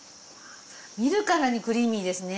見るからにクリーミーですね。